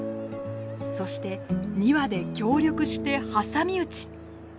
そして２羽で協力して挟み撃ち！